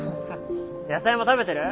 野菜も食べてる？